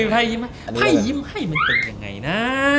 ให้ยิ้มให้มันเป็นยังไงนะ